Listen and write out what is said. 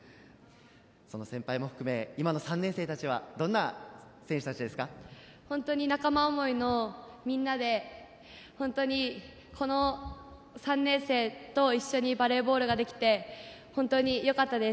その先輩も含め今の３年生たちは本当に仲間思いのみんなで本当に、この３年生と一緒にバレーボールができて本当によかったです。